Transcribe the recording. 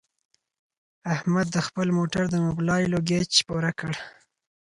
احمد د خپل موټر د مبلایلو ګېچ پوره کړ.